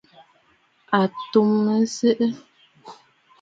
A tum ɨtsə̀ʼə̀.